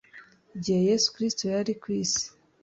Igihe Yesu kirisito yari ku isi